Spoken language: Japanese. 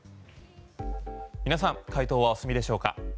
皆さん解答はお済みでしょうか？